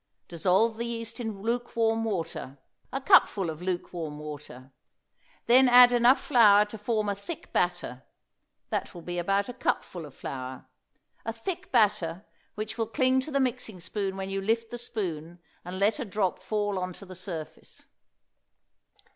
Dissolve the yeast in lukewarm water, a cupful of lukewarm water. Then add enough flour to form a thick batter; that will be about a cupful of flour; a thick batter which will cling to the mixing spoon when you lift the spoon and let a drop fall on the surface.